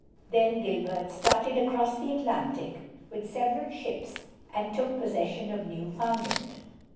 Then Gilbert started across the Atlantic with several ships and took possession of Newfoundland.